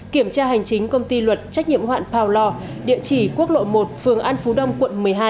kiểm tra hành chính công ty luật trách nhiệm mũ hạn power law địa chỉ quốc lộ một phường an phú đông quận một mươi hai